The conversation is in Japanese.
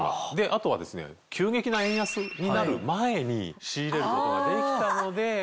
あとは急激な円安になる前に仕入れることができたので。